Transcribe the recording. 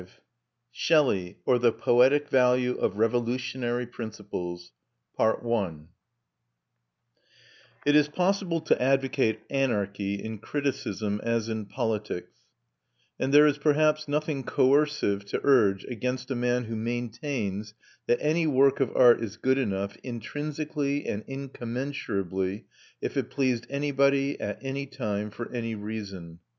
V SHELLEY: OR THE POETIC VALUE OF REVOLUTIONARY PRINCIPLES It is possible to advocate anarchy in criticism as in politics, and there is perhaps nothing coercive to urge against a man who maintains that any work of art is good enough, intrinsically and incommensurably, if it pleased anybody at any time for any reason.